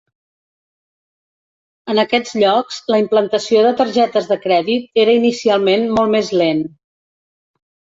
En aquests llocs, la implantació de targetes de crèdit era inicialment molt més lent.